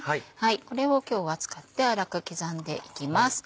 これを今日は使って粗く刻んでいきます。